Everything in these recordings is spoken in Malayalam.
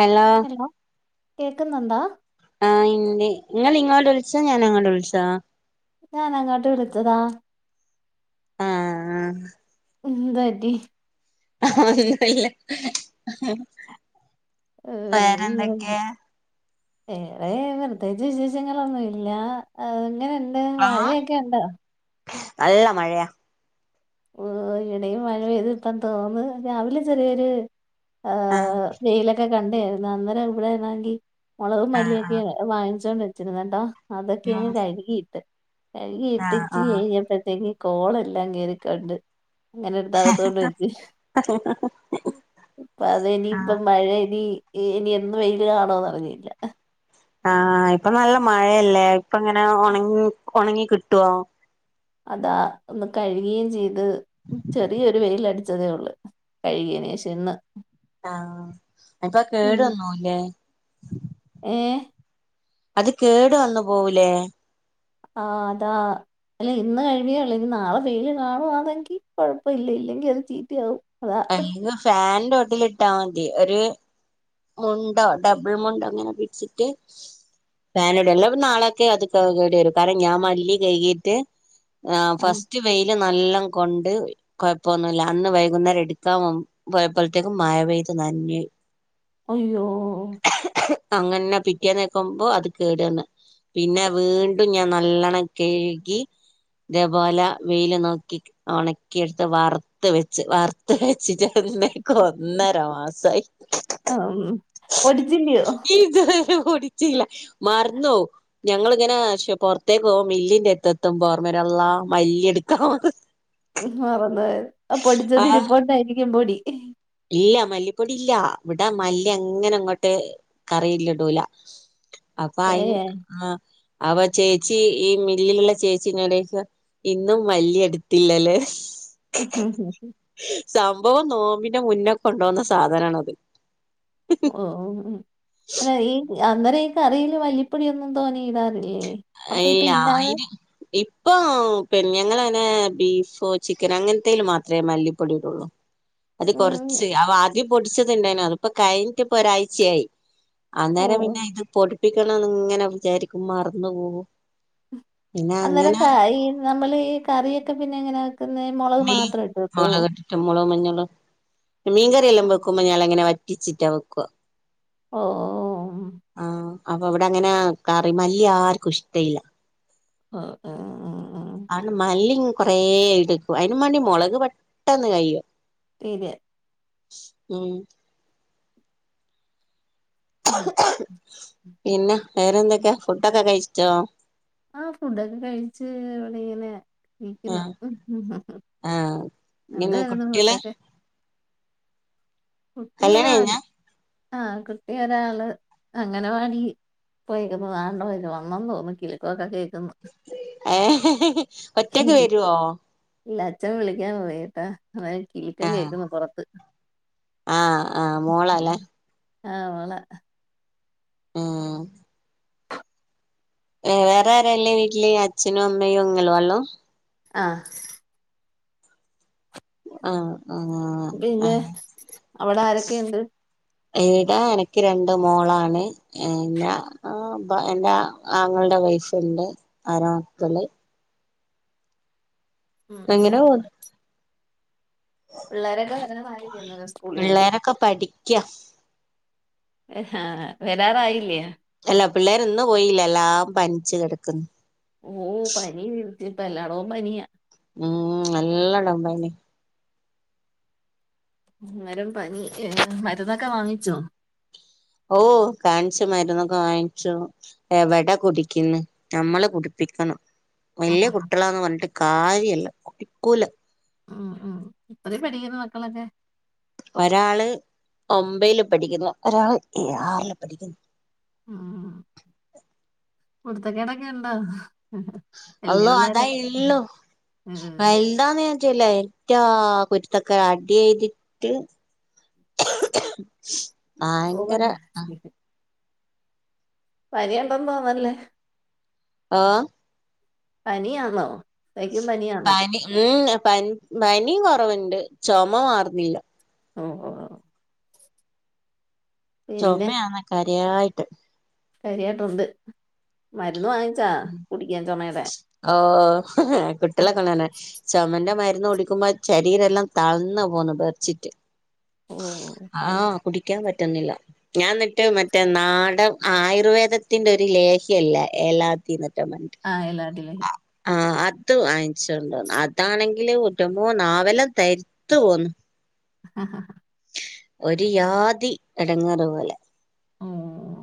ഹലോ ലൊ കേക്കുന്നൊണ്ടോ? ആ ഇന്നേ നിങ്ങളിങ്ങോട്ട് വിളിച്ചതോ ഞാൻ അങ്ങോട്ട് വിളിച്ചതോ ഞാൻ അങ്ങോട്ട് വിളിച്ചതാ. ആഹ് ഉംന്തോറ്റി ഒന്നുവില്ല, വേറെന്തൊക്കേ ഇവിടെ പ്രൃത്യേകിച്ച് വിശേഷങ്ങളൊന്നുവില്ല ടെങ്ങനുണ്ട് മഴയൊക്കെ ഒണ്ടൊ നല്ല മഴയാ ഏഹ് ഇവിടേം മഴ പെയ്തിപ്പം തോർന്നു രാവിലെ ചെറിയൊരു ആഹ് ഏഹ് വെയിലൊക്കെ കണ്ടയാരുന്നു, അന്നേരം ഇവിടെയാണെങ്കിൽ മൊളകും ആഹ് മല്ലിയൊക്കെ ആഹ് വാങ്ങിച്ചോണ്ട് വെച്ചിരുന്ന്ട്ടോ അതൊക്കെയങ്ങു ഉം കഴുകിയിട്ട്. ആഹ് കഴുകിയിട്ടിച്ചിരി ആഹ് കഴിഞ്ഞപ്പഴത്തേക്ക് കോളെല്ലാം കേറിക്കണ്ട്. അങ്ങനെ ഇടുത്തകത്ത് കൊണ്ട് വെച്ച് ഇപ്പ അതിനി ആഹ് ഇപ്പ മഴ ഇനി ഇനി എന്ന് വെയില് കാണുവെന്നറിഞ്ഞില്ല. ആഹ് ഇപ്പ നല്ല മഴയല്ലേ ഇപ്പങ്ങനെ ഒണങ്ങി ഒണങ്ങി കിട്ടുവോ അതാ ഇന്ന് കഴുകേം ചെയ്ത് ചെറിയൊരു വെയിലടിച്ചതേ ഒള്ളു. കഴുകിയനേഷം ഇന്ന് ആഹ് അപ്പ മിനി കേടുവന്നോവ് ലെ ഏഹ് അത് കേടു വന്നു പോവൂലേ ആഹ് അതാ അല്ല ഇന്ന് കഴിഞ്ഞിയേള്ളൂ ഇനി നാളെ വെയിൽ കാണുവാന്നെങ്കി കുഴപ്പഇല്ല ഇല്ലെങ്കിൽ അത് ചീത്തയാകും അല്ലങ്കി ഫാൻന്റോട്ടിൽ ഇട്ടാ മതി ഒരു മുണ്ട് ഡബിൾ മുണ്ട് അങ്ങനെ വിരിച്ചിട്ട് ഫാനിടും എല്ലാപിന്നെ നാളൊക്കെ അത് കേ കേടി വരും കാരണം ഞാൻ മല്ലി കെഴ്‌കിട്ട് എഹ് ആഹ് ഫസ്റ്റ് വെയില് നല്ലാം കൊണ്ട് കൊഴപ്പൊന്നുല്ല അന്ന് വൈകുന്നേരം എടുക്കാൻ പോയപ്പോഴത്തേക്കും മഴ പെയ്ത് നൻ ഞ്ഞോയി അയ്യോ അങ്ങെൻന്നെ പിറ്റേന്നേക്കുമ്പോ അത് കേടെന്ന് പിന്നെ വീണ്ടും ഞാൻ നല്ലണ്ണം കഴുകി തേപോല വെയില് നോക്കി ഉണക്കിയെടുത്ത് വറുത്ത് വെച്ച് വറുത്ത് വെച്ചിട്ട്ന്നേക്ക ഒന്നര മാസായി അം പൊടിച്ചില്ലയോ ഇതുവരെ പൊ ടിച്ചില്ല മറന്നോവും ഞങ്ങളിങ്ങനെ പൊറത്തേക്ക് പോക മില്ലിന്റത്ത്ത്തുമ്പോർമെരും അള്ളാഹ് മല്ലി എടുക്കാം മറന്ന് ഉം മറന്നോയത് ആ പൊടിച്ചതിരിപ്പോണ്ടായിരിക്കും പൊടി ഇല്ല മല്ലിപ്പൊടി ഇല്ല ഇവിടെ മല്ലി അങ്ങനെ അങ്ങോട്ട് കറിയിലിടൂല, അപ്പൊ അയിന് ഏഹ് ആ അവ ചേച്ചി ഈ മില്ലിലുള്ള ചേച്ചീ ന്നോടോയ്ക്കും ഇന്നും മല്ലി യെടുത്തില്ലല്ലേ [unintelligible] സംഭവം നോമ്പിന്റെ മുന്നെ കൊണ്ടുവന്ന സാധനാണത് ഓ ഓഹ് ഉം ഉം അല്ല ഈ അന്നേരം ഈ കറിൽ മല്ലിപ്പൊടിയൊന്നും തോനയിടാറില്ലേ ഇല്ലാ അയിന് ഇപ് ഇപ്പൊ പി ഞങ്ങൾ അങ്ങനെ ബീഫോ ചിക്കനോ അങ്ങനത്തേലു മാത്രേ മല്ലിപ്പൊടി ഇടുള്ളൂ അത് ഉം കൊറച്ച് അവ ആദ്യം പൊടിച്ചത്ണ്ടായിന അതിപ്പോ കഴിഞ്ഞിട്ട ഇപ്പൊ ഒരാഴ്ചയായി അന്നേരം ഓഹ് പിന്നെ ഇത് പൊടിപ്പിക്കണം ന്ന് ഇങ്ങനെ വിചാരിക്കും മറന്നു പോവു അന്നേരം ക ഈ നമ്മൾ ഈ കറിയൊക്കെ പിന്നെ എങ്ങനെ വെ ക്കുന്നെ മൊളക് മീ മുളക മ മുളോ മഞ്ഞളോ മീൻകറിയെല്ലാം വെക്കുമ്പോ ഞൻ അങ്ങനെ വറ്റിച്ചിട്ടാ വെക്കുവ ഓഹ് ആഹ് അപ്പൊ അവിടെ അങ്ങനെ കറി മല്ലി ആർക്കും ഇഷ്ടഇല്ല ആഹ് ആണ് മല്ലി കൊറേ ഈടുക്കും അതിന് വേണ്ടി മുളക് പെട്ടെന്ന് കയ്യും തീരി ഉം ഉം [unintelligible] പിന്നെ വേറെന്തൊക്കെ ഫുഡൊക്കെ കഴിച്ചോ ആ ഫുഡൊക്കെ കഴിച്ച് ഇവിടെ ഇങ്ങനെ നിക്കുന്ന ആഹ് ഉ ആഹ് എന്ത പിന്നെ ആയിരുന്നു കുട്ടികളെ ഫുഡൊക്കെ കുട്ടി കല്യാണം ഒരാള് കഴിഞ്ഞാ ആഹ് കുട്ടി ഒരാള് അംഗനവാടി [unintelligible] ആണ്ട പോ വന്നന്ന് തോന്നുന്നു കിലിക്കോക്കെ കേൾക്കുന്നു ഏഹെ ഹെ ഒറ്റയ്ക്ക് വരുവോ ഇല്ല അച്ഛൻ വിളിക്കാൻ പോയിട്ടാ അ കിലിക്കം ആഹ് കേൾക്കുന്ന പൊ റത്ത് ആഹ് ആഹ് മോളാല്ലേ ആഹ് വള ഉം ആ വേറെ ആരാള്ളെ വീട്ടില് അച്ഛനും, അമ്മയും ഉങ്ങളുള്ളു? ആഹ് ആഹ് ആഹ് പിന്നെ ആഹ് അവിടെ ആരൊക്കെയുണ്ട് എവിടാ എനിക്ക് രണ്ട് മോളാണ് ഞ ആ ഇപ്പം എന്റെ ആങ്ങളുടെ വൈഫ് ഉണ്ട് [unintelligible] മക്കള് ഉം എങ്ങനെ ഉം പോന്ന് പിള്ളേരൊക്കെ വരാറായില്ലേ അന്നരം സ്കൂളിൽ നിന്ന് ഒക്കപ്പാടി ക്യാ ആഹ് വരാറായില്ലോ അല്ല പിള്ളേർ ഇന്ന് പോയില്ല എല്ലാം പനിച്ചു കിടക്കുന്നു ഓ പനി ഇതിപ്പോ എല്ലായിടവും പനിയാ ഉം എല്ലായിടവും പനി അന്നരം പനി ഇല്ലേ മരുന്നൊക്കെ വാങ്ങിച്ചോ ഓ കാണിച്ചു മരുന്നൊക്കെ വാങ്ങിച്ചു എവിടെ കുടിക്കുന്നു നമ്മള് കുടിപ്പിക്കണം വലിയ കുട്ടികളാന്ന് പറഞ്ഞിട്ട് കാര്യല്ല കുടിക്കൂല ഉം ഉം എത്രയിൽ പഠിക്കുന്നു മക്കളൊക്കെ ഒരാള് ഒമ്പല് പഠിക്കുന്നു ഒരാള് ആറില് പഠിക്കുന്നു ഉം കുരുത്തക്കെടൊക്കെ ഉണ്ടോ വല്യ അള്ളോ അതാ പിള്ളേരായി ഉള്ളോ വ ഉം ഇതാന്ന് ഞാ ചെയല എഏറ്റാ കുരുത്തൊക്കെ അടി ചെയ്തിട്ട് [unintelligible] ഓ ഭയങ്കര പനിയുണ്ടെന്ന് തോന്നുന്നല്ലേ ആഹ് പനിയാന്നോ ശരിക്കും പനിയാന്നോ പനി ഉം പനി പനി കുറവുണ്ട് ചുമ മാറുന്നില്ല ഓ ഓ പിന്നെ ചുമയാന്നെ കാര്യയായിട്ട് പനിയായിട്ടുണ്ട് മരുന്ന് വാങ്ങിച്ചാ കുടിക്കാൻ ചുമയുടെ ഓ കുട്ടിളെ കൊണാന ചുമന്റെ മരുന്ന് കുടിക്കുമ്പോ ചാരീരം എല്ലാം തളന്നു പോകുന്നു വെറച്ചിട്ട് ഓഹ് ആഹ് കുടിക്കാൻ പറ്റുന്നില്ല ഞാൻ എന്നിട്ട് മറ്റേ നാടൻ ആയുർവേദത്തിന്റെ ഒരു ലേഹ്യല്ലേ ഏലാദി എന്തോ പറഞ്ഞിട്ട് ആഹ് ഏലാദി ആഹ്‌ അത് വാങ്ങിച്ചോണ്ട് വന്നു അതാണെങ്കിൽ എന്റെ അമ്മോ നാവെ ല്ലാം തരി ത്ത് പോന്ന് ആഹ് ഒരു ജാതി ഇടങ്ങേറ് പോലെ ഓ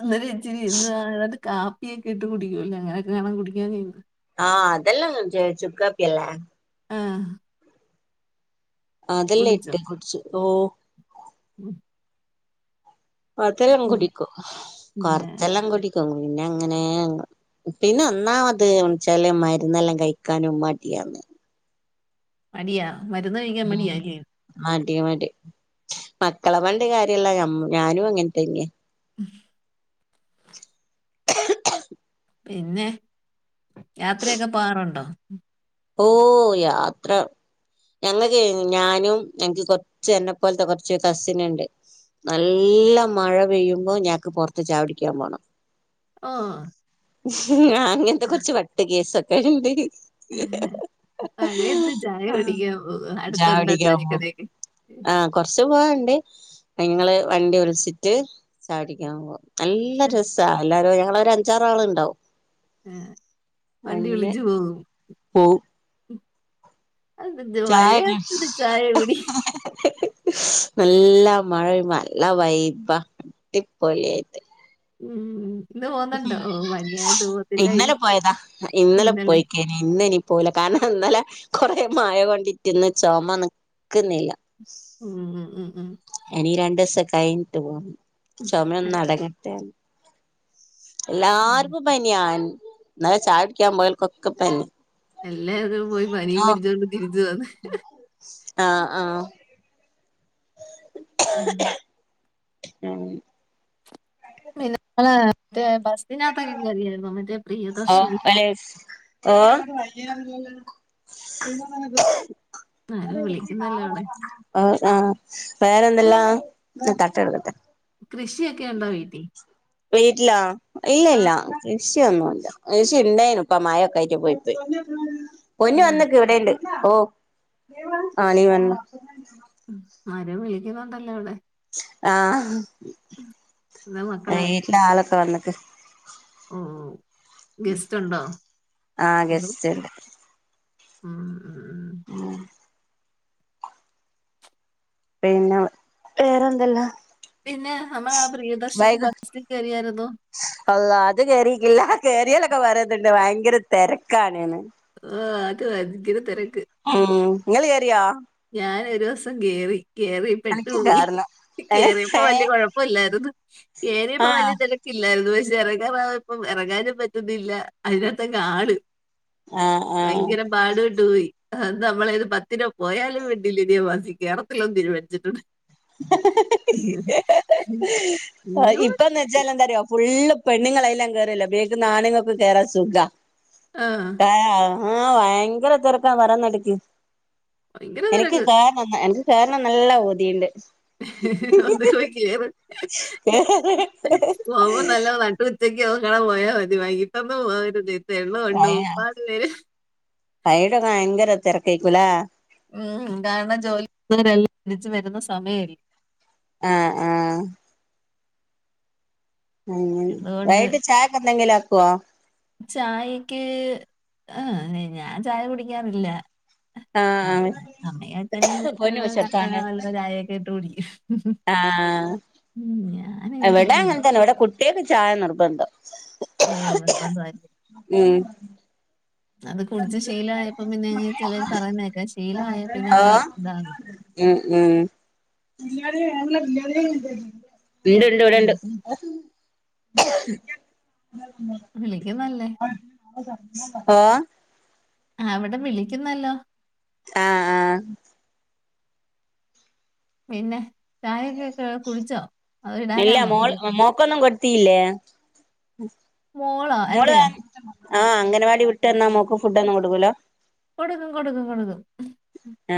അന്നരം ഇച്ചിരി ഇരുന്നതാ കാപ്പിയൊക്കെ ഇട്ട് കുടിക്കുവല്ലോ അങ്ങനെയൊക്കെയാണംകുടിക്കാന്ത ആഹ് അതല്ല ന ചുക്ക്ക്കാപ്പി അല്ലേ ആഹ് അതല്ലേ കുടിച്ചോ ഇട്ടേ കുറച്ച് ഓ [unintelligible] അതെല്ലാം ഉം. കുടിക്കും പിന്നെ കൊറച്ചെല്ലാം കുടിക്കും പിന്നെ അങ്ങനെയങ്ങ് പിന്നെ ഒന്നാമത് വെച്ചാല് മരുന്നെല്ലാം കഴിക്കാനും മടിയാണ് മടിയാ മരുന്ന് കഴിക്കാൻ ഉം മടിയാ അല്ലിയോ മടി മടി മക്കളെ പറഞ്ഞിട്ട് കാര്യമില്ല ഞാനും അങ്ങനെ തന്നെയാ [inaudible] പിന്നെ യാത്രയൊക്കെ പോവാറുണ്ടോ ഓഹ്‌ യാത്ര ഞങ്ങൾക്ക് ഞാനും എനിക്ക് കൊറച്ച് എന്നെപ്പോലത്തെ കൊറച്ച് കസിൻ ഉണ്ട് നല്ല മഴ പെയ്യുമ്പോ ഞങ്ങക്ക് പുറത്ത് ചായ കുടിക്കാൻ പോണം ആഹ്‌ അങ്ങനത്തെ കുറച്ച് വട്ട് കേസൊക്കെ ഉണ്ട്. മഴയത്ത് ചായ ആഹ് കുടിക്കാൻ പോവ അടുത്തുണ്ടോ ചായുടിക്കാൻ പോവും ചായക്കടെക്കേ. ആഹ് കൊറച്ച് പോവണ്ട്, അയിങ്ങള് വണ്ടി വിളിച്ചിട്ട് ചായ കുടിക്കാൻ പോവാ. നല്ല രസാ എല്ലാരും ഞങ്ങളൊരു അഞ്ചാറാൾണ്ടാവും. ആഹ്‌ വണ്ടി വിളിച്ചു പോകും. പോവും. അതന്ത് ചായൊക്കെ മഴയത്ത് ഒരു ചായ കുടി. നല്ല മഴ നല്ല വൈബാ അടിപൊളിയായിട്ട്. ഉം ഇന്ന് പോകുന്നുണ്ടോ ഓ മഴയായിട്ട് ഇന്നലെ പോകത്തില്ലായിരിക്കും പോയതാ ഇന്നലെ പോയിക്ക്. ഇന്നിനീ പോവൂല കാരണം ഇന്നലെ കൊറെ മഴ കൊണ്ടിട്ടിന്ന് ചുമ നിക്കുന്നില്ല. ഉം ഉം ഉം ഉം ഇനി രണ്ടു ദിവസം കഴിഞ്ഞിട്ട് പോകു. ചുമ ഒന്ന് അടങ്ങട്ടെ. എല്ലാർക്കും പനിയാ ഇന്നലെ ചായ കുടിക്കാൻ പോയൽക്കൊക്കെ പനി. എല്ലാട്ക്കും പോയി പനിയും ഓ പിടിച്ചുകൊണ്ട് തിരിച്ചു വന്നു. ആഹ് ആഹ് ഉം പിന്ന മറ്റേ ബസിനകത്തൊക്കെ കയറിയായിരുന്നോ, മറ്റേ പ്രിയദർശിനി യെസ്. ഓഹ്.' ' [inaudible] ആരോ വിളിക്കുന്നല്ലോ അവിടെ ആഹ് വേറെ എന്തെല്ലാം ഞാൻ തട്ടെടുക്കട്ടെ. കൃഷിയൊക്കെ ഉണ്ടോ വീട്ടിൽ. വീട്ടിലോ ഇല്ല ആ ഇല്ല. കൃഷി ഒന്നും ഇല്ല കൃഷി ഉണ്ടേനു ഇപ്പോ മഴൊക്കെ ആയിട്ട് പോയി പോയി, പൊന്നു ഉം വന്നിക്ക് ഇവിടെണ്ട്. ഓ ആണി വന്നു. ആരോ വിളിക്കുന്നുണ്ടല്ലോ അവിടെ. ആഹ് എന്നാ മക്കളെ ലെ ആളൊക്കെ വന്നക്ക്. ഉം ഉം ഗസ്റ്റ് ഉണ്ടോ? ആഹ് ഹലോ ഗസ്റ്റ്ണ്ട് ഉം ഉം പിന്നെ വേറെന്തല്ലാ. പിന്നെ നമ്മൾ ആ പ്രിയദർശിനി ബസ്സിൽ കയറിയായിരുന്നു. അല്ല അത് കേറിക്കില്ല കേറിയലൊക്കെ പറയുന്നുണ്ട് ഭയങ്കര തിരക്കാണ്ന്ന്. ആഹ് അത് ഭയങ്കര തിരക്ക്. ഉം നിങ്ങള് കേറിയോ. ഞാൻ ഒരൂസം കേറി കേറി എനിക്ക് പെട്ടുപോയി കേറില്ല ഏ കേറിയപ്പോ ഏ വല്യ കുഴപ്പല്ലായിരുന്നു. കേറിയപ്പോ ആഹ് വലിയതി ഇല്ലായിരുന്നു പക്ഷെ ഇറങ്ങാനായപ്പം ഇറങ്ങാനും പറ്റുന്നില്ല അതിനകത്തകെ ആള്. ആഹ് ഭയങ്കര പാട് പെട്ട് പോയി അന്ന് നമ്മളൊരു പത്തിന പോയാലും വേണ്ടില്ല ഇനി ഞാൻ ബസ്സിൽ കേറത്തിലൊന്ന് തീരുമാനിച്ചിട്ടുണ്ട്. അയ്യോ ഇപ്പന്ന് വെച്ചാലെന്താറിയോ. ഫുള്ള് പെണ്ണുങ്ങളയിലങ്ങ് കയറല്ലേ ബേക്ക്ന്ന് ആണുങ്ങൾക്കും കേറാൻ സുഖാ ആഹ് ആഹ് ആഹ് ഭയങ്കര തിരക്കാ പറയുന്ന കേട്ടിക്ക് ഭയങ്കര എനിക്ക് തിരക്ക് കേറാ എനിക്ക് കേറണന്ന് നല്ല പുതിണ്ട്. ഒന്ന് പോയി കേറ്. ഉച്ചക്ക് എങ്ങാനും പോയാ മതി. വൈകിട്ട് ഒന്നും പോകരുത്. തെള്ള് കൊണ്ട് ഉപ്പാട് വെരും. വയ്കിട്ടൊക്കെ ഭയങ്കര തെരക്കൈകുംലെ. ഉം കാരണം ജോലി [inaudible] രെല്ലാം തിരിച്ച് വരുന്ന സമയമല്ലേ. ആഹ് ആഹ്. ഉം അതുകൊണ്ട് വൈകിട്ട് ചായക്ക് എന്തെങ്കിലും ആകൊ ചായക്ക് ആഹ് ഞാൻ ചായ കുടിക്കാറില്ല. അമ്മ ആഹ് അമ്മയും അച്ഛനും പൊന്നു കട്ടന വെച്ചെടുത്താണ് വല്ല ചായൊക്കെ ഇട്ട് കുടിക്കും. ആഹ്. [unintelligible] എവിടെ കുടിക്കാറ് അങ്ങനെ തന്നെ എവിടെ കുട്ടികൾക്ക് ചായ നിർബന്ധം. ഓ നിർബന്തായി. ഉം അത് കുടിച്ച് ശീലമായപ്പോ പിന്നെങ് ചിലർ പറയുന്നേക്കാ ശീലമായ ഓ പിന്നെങ്ങ് ഇതാന്ന്. ഉം ഉം [inaudible] ഉണ്ട്ണ്ട് ഇവിടെണ്ട്. വിളിക്കും [unintelligible] വിളിക്കുന്നല്ലേ. ഒഹ്. ആ അവിടെ വിളിക്കുന്നല്ലോ. ആഹ് ആഹ്. പിന്നെ ചായയൊക്കെ ക്കെ കുടിച്ചോ അത് ഇടാനാനോ വിളി [inaudible] കൊടുത്തിലേ മോളോ മോള് എന്റെയോ [inaudible] ആഹ് അംഗനവാടി വിട്ട് വന്ന മോൾക് ഫുഡ് ഒന്നും കൊടുക്കൂല്ല. കൊടുക്കും കൊടുക്കും കൊടുക്കും.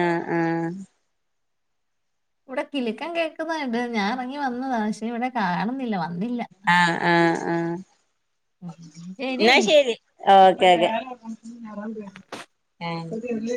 ആഹ് ആഹ്. ഇവിടെ കിലക്കം ക്കേൾക്കുന്നണ്ട് ഞാൻ ഇറങ്ങി വന്നതാണ് പക്ഷേ ഇവിടെ കാണുന്നില്ല വന്നില്ല. ആഹ് ആഹ് ആഹ് ഉം, എന്നാ എങ്കിൽ ശരി. ഓക്കെ ഓക്കെ ആഹ്.